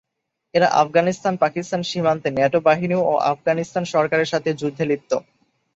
এরা আফগানিস্তান-পাকিস্তান সীমান্তে ন্যাটো বাহিনী ও আফগানিস্তান সরকারের সাথে যুদ্ধে লিপ্ত।